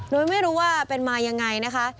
โดยไม่รู้ว่าเป็นมายังไงนะคะ